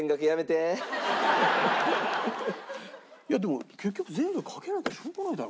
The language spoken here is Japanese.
いやでも結局全部賭けなきゃしょうがないだろ。